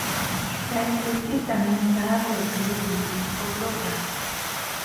Esta especie está amenazada por el cambio climático global.